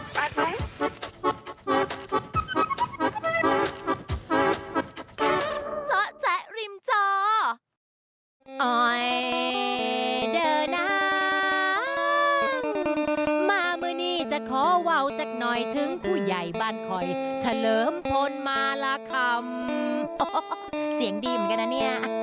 โปรดติดตามตอนต่อไป